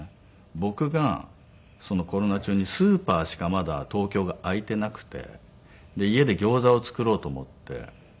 僕がコロナ中にスーパーしかまだ東京が開いていなくて家でギョーザを作ろうと思って。